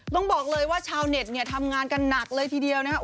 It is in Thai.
ต้องบอกเลยว่าชาวเน็ตเนี่ยทำงานกันหนักเลยทีเดียวนะครับ